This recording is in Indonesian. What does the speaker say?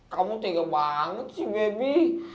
kamu tiga banget sih bebi